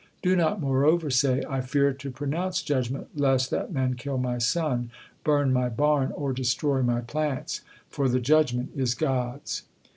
Do not, moreover, say: 'I fear to pronounce judgement, lest that man kill my son, burn my barn, or destroy my plants,' for the judgement is God's."